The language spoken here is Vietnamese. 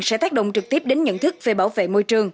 sẽ tác động trực tiếp đến nhận thức về bảo vệ môi trường